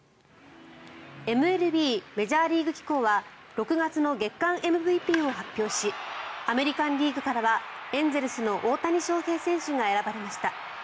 ＭＬＢ・メジャーリーグ機構は６月の月間ＭＶＰを発表しアメリカン・リーグからはエンゼルスの大谷翔平選手が選ばれました。